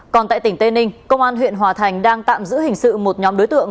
còn tại tỉnh tây ninh công an huyện hòa thành đang tạm giữ hình sự một nhóm đối tượng